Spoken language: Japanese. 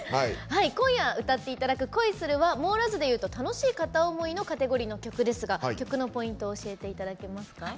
今夜、歌っていただく「恋する」は網羅図でいうと片思いの曲ですが曲のポイントを教えていただけますか？